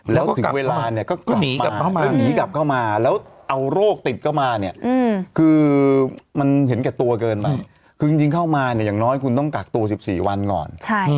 แล้วถึงเวลาเนี่ยก็กลับเข้ามาแล้วหนีกลับเข้ามาแล้วเอาโรคติดเข้ามาเนี่ยคือมันเห็นแก่ตัวเกินไปคือจริงเข้ามาเนี่ยอย่างน้อยคุณต้องกักตัว๑๔วันก่อน